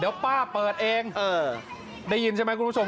เดี๋ยวป้าเปิดเองได้ยินใช่ไหมคุณผู้ชม